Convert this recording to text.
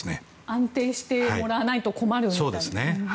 安定してもらわないと困るみたいな。